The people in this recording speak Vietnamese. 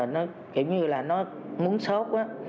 nó kiểu như là nó muốn sốt